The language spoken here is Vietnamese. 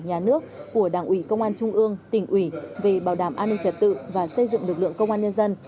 nhà nước của đảng ủy công an trung ương tỉnh ủy về bảo đảm an ninh trật tự và xây dựng lực lượng công an nhân dân